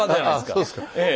ああそうですか。